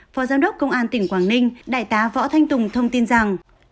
phó giám đốc công an tỉnh quảng ninh đại tá võ thanh tùng thông tin rằng